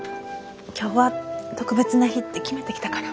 今日は特別な日って決めて来たから。